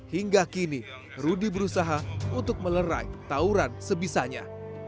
hingga kini rudy berusaha untuk melerai tawuran sebisanya